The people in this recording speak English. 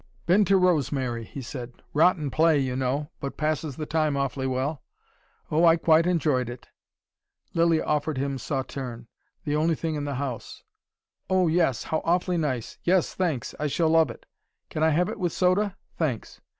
"Been to 'Rosemary,'" he said. "Rotten play, you know but passes the time awfully well. Oh, I quite enjoyed it." Lilly offered him Sauterne the only thing in the house. "Oh, yes! How awfully nice! Yes, thanks, I shall love it. Can I have it with soda? Thanks!